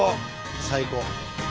最高！